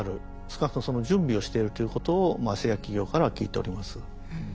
少なくともその準備をしてるということを製薬企業からは聞いております。